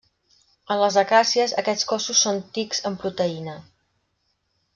En les acàcies aquests cossos són tics en proteïna.